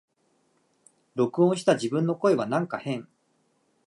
録音した自分の声はなんか変